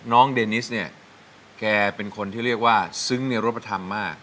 เดนิสเนี่ยแกเป็นคนที่เรียกว่าซึ้งในรูปธรรมมาก